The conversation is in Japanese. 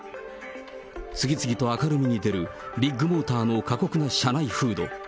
次々と明るみに出るビッグモーターの過酷な社内風土。